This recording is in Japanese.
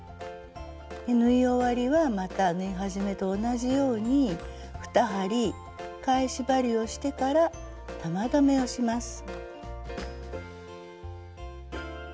縫い終わりはまた縫い始めと同じように２針返し針をしてから玉留めをします。